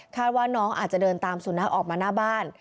ว่าน้องอาจจะเดินตามสุนัขออกมาหน้าบ้าน